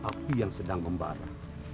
aku yang sedang membara